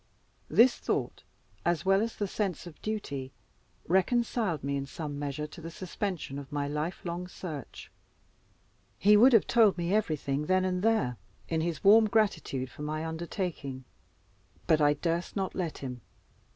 This thought, as well as the sense of duty, reconciled me in some measure to the suspension of my life long search. He would have told me everything then and there, in his warm gratitude for my undertaking; but I durst not let him.